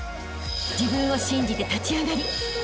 ［自分を信じて立ち上がりあしたへ